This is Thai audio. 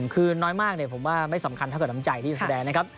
คือน้อยมากเนี่ยผมว่าไม่สำคัญเท่ากับน้ำใจที่แสดงนะครับ